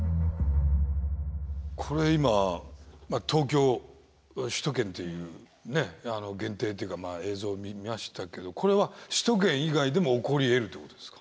これ今東京首都圏っていうね限定っていうかまあ映像見ましたけどこれは首都圏以外でも起こりえるってことですか？